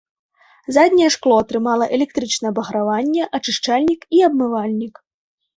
Задняе шкло атрымала электрычнае абаграванне, ачышчальнік і абмывальнік.